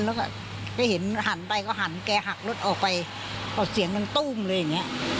แล้วก็แกเห็นหันไปก็หันแกหักรถออกไปพอเสียงมันตู้มเลยอย่างเงี้ย